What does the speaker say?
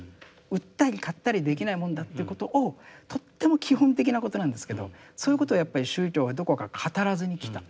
売ったり買ったりできないもんだということをとっても基本的なことなんですけどそういうことをやっぱり宗教はどこか語らずにきた。